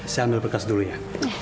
saya ambil bekas dulu ya